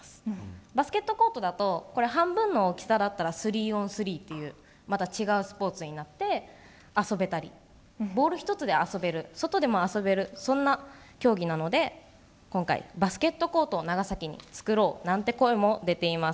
バスケットコートだと半分の大きさなら３オン３というまた違うスポーツになって遊べたりボール１つで遊べる外でも遊べるそんな競技なので今回、バスケットコートを長崎に作ろうという声も出ています。